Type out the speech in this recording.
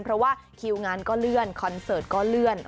เพราะว่าคิวงานก็เลื่อนคอนเสิร์ตก็เลื่อน